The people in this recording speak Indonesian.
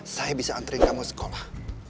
saya bisa anterin kamu ke sekolah